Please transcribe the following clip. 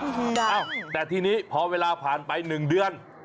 อ้าวแต่ทีนี้พอเวลาผ่านไปหนึ่งเดือน